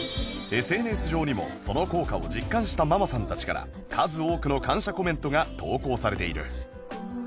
ＳＮＳ 上にもその効果を実感したママさんたちから数多くの感謝コメントが投稿されている